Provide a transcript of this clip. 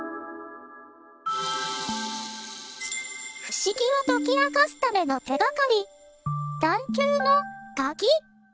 不思議を解き明かすための手がかり